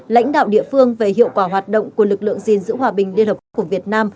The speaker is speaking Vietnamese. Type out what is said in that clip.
lãnh đạo địa phương về hiệu quả hoạt động của lực lượng gìn giữ hòa bình liên hợp quốc của việt nam